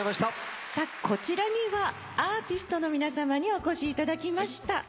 さあこちらにはアーティストの皆さまにお越しいただきました。